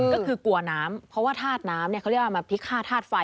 ก็คือกลัวน้ำเพราะว่าธาตุน้ำเขาเรียกว่ามาพิฆาตธาตุไฟ